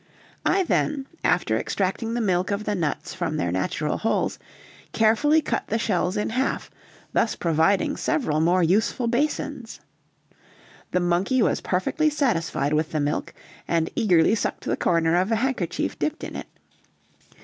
I then, after extracting the milk of the nuts from their natural holes, carefully cut the shells in half, thus providing several more useful basins. The monkey was perfectly satisfied with the milk, and eagerly sucked the corner of a handkerchief dipped in it.